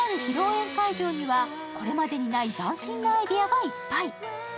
宴会場にはこれまでにない斬新なアイデアがいっぱい。